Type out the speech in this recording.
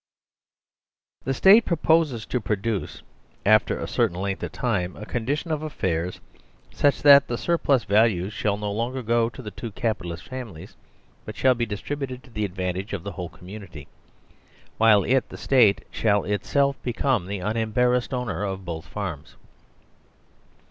The State proposes to produce, after a certain length of time, a condition of affairs such that the surplus values shall no longer go to the two Capitalist families, but shall be distributed to the advantage of the whole community, while it, the State, shall itself become the unembarrassed owner of both farms.